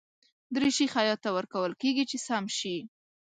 دریشي خیاط ته ورکول کېږي چې سم شي.